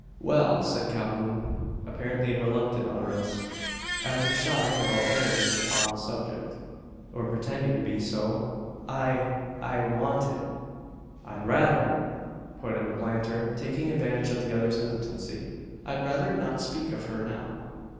"Well," said Calhoun, apparently in reluctant utterance, as if shy about entering upon the subject, or pretending to be so, "I I wanted " "I'd rather," put in the planter, taking advantage of the other's hesitancy, "I'd rather not speak of her now."